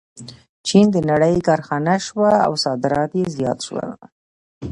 چین د نړۍ کارخانه شوه او صادرات یې زیات شول.